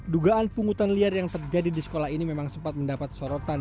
dugaan pungutan liar yang terjadi di sekolah ini memang sempat mendapat sorotan